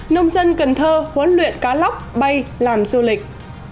nông dân cần thơ huấn luyện cá lóc bay làm du lịch